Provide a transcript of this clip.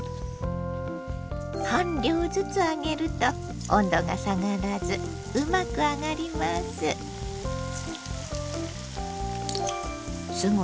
半量ずつ揚げると温度が下がらずうまく揚がります。